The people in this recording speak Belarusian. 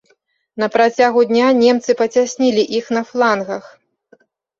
На працягу дня немцы пацяснілі іх на флангах.